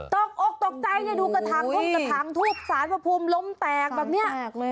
ต้องโอกตกใจเนี่ยดูกระถางทุกสารพระภูมิล้มแตกแบบเนี่ย